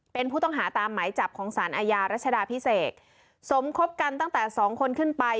เป็นผู้ต้องหาตามหมายจับของสารอาญารัชดาพิเศษสมคบกันตั้งแต่สองคนขึ้นไป